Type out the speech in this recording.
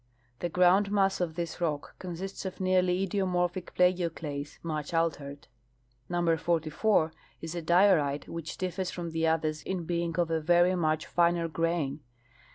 f The groundmass of this rock ciMisists of nearly idiomorphic plagioclase, much altered. Number 44 is a diorite Avhich differs from the others in being of a very much finer grain.